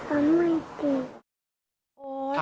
เอาไม่ตี